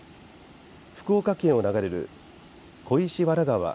福岡県を流れる小石原川